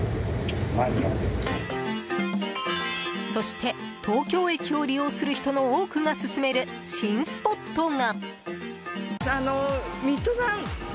そして東京駅を利用する人の多くが勧める新スポットが。